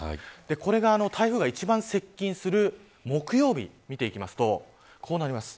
これが台風が一番接近する木曜日を見ていきますとこうなります。